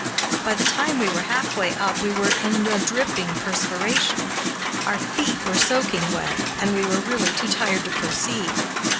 By the time we were halfway up we were in a dripping perspiration, our feet were soaking wet, and we were really too tired to proceed.